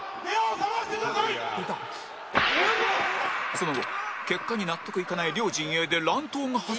その後結果に納得いかない両陣営で乱闘が発生